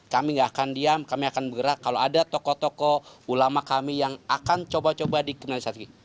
kami nggak akan diam kami akan bergerak kalau ada tokoh tokoh ulama kami yang akan coba coba dikriminalisasi